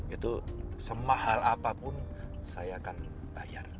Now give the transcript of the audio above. itu semahal apapun saya akan bayar